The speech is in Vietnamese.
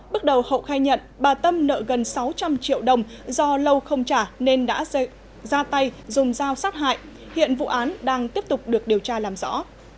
bước đầu hậu khai nhận bà tâm nợ gần sáu trăm linh triệu đồng do lâu không trả nên đã ra tay dùng dao sát hại hiện vụ án đang tiếp tục được điều tra làm rõ